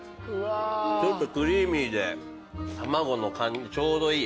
ちょっとクリーミーで卵の感じちょうどいい硬さとか。